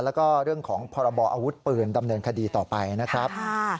แล้วก็เรื่องของพรบออาวุธปืนดำเนินคดีต่อไปนะครับ